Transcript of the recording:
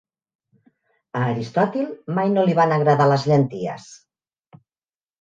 A Aristòtil mai no li van agradar les llenties.